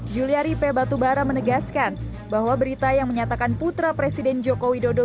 juliari p batubara menegaskan bahwa berita yang menyatakan putra presiden joko widodo